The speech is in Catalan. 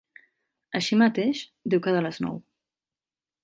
Així mateix, diu que de les nou.